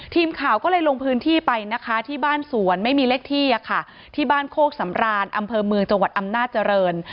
ทีมข่าวก็เลยลงพื้นที่ไปนะคะที่บ้านสวนไม่มีเลขที่ที่บ้านโคกสำรานอำเภอเมืองจังหวัดอำนาจริง